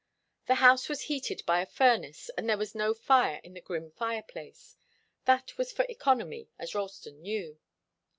The house was heated by a furnace and there was no fire in the grim fireplace. That was for economy, as Ralston knew.